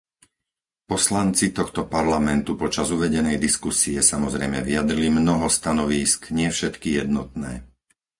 Poslanci tohto Parlamentu počas uvedenej diskusie samozrejme vyjadrili mnoho stanovísk, nie všetky jednotné.